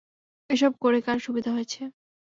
এসব করে কার সুবিধা হয়েছে?